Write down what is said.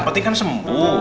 penting kan sembuh